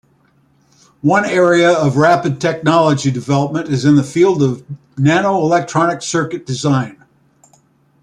One area of rapid technology development is in the field of nanoelectronic circuit design.